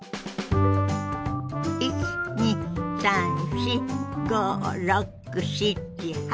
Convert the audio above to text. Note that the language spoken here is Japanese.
１２３４５６７８。